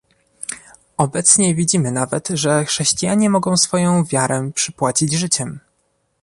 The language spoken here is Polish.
Obecnie widzimy nawet, że chrześcijanie mogą swoją wiarę przypłacić życiem